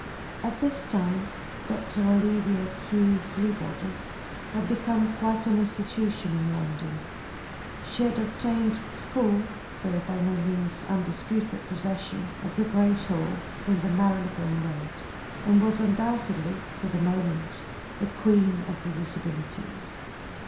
At this time Dr. Olivia Q. Fleabody had become quite an institution in London. She had obtained full though by no means undisputed possession of the great hall in the Marylebone Road, and was undoubtedly for the moment the Queen of the Disabilities.